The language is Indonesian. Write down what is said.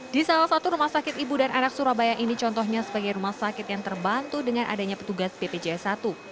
di salah satu rumah sakit ibu dan anak surabaya ini contohnya sebagai rumah sakit yang terbantu dengan adanya petugas bpjs satu